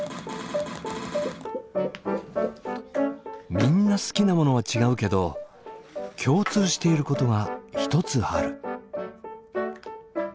みんな好きなものは違うけど共通していることが一つある。